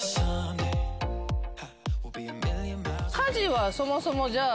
家事はそもそもじゃあ。